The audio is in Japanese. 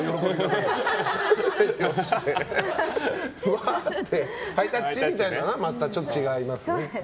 わーってハイタッチみたいなのは違いますね。